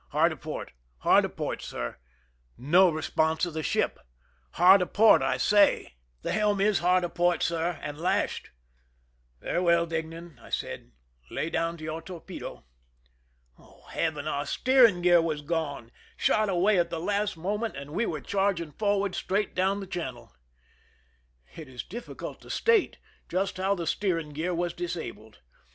Hard aport !"" Hard aport, sir." No response of the ship !" Hard aport, I say !" "The 94 ( i I THE RUN IN helm is hard aport, sii^, and lashed." " Very well, Deignan," I said ;" lay down to your torpedo." Oh, heaven! Our steering gear was gone, shot away at the last moment, and we were charging forward straight down the channel ! It is difficult to state just how the steering gear was disabled.